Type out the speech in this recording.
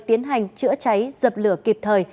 tiến hành chữa cháy dập lửa kịp thời